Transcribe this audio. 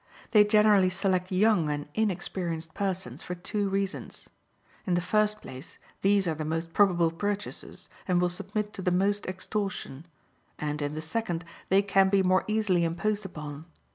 They generally select young and inexperienced persons for two reasons. In the first place, these are the most probable purchasers, and will submit to the most extortion; and, in the second, they can be more easily imposed upon.